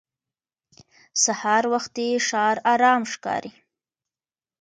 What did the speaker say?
سهار وختي ښار ارام ښکاري